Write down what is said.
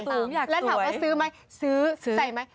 แล้วถามว่าซื้อไหมซื้อใส่ไหม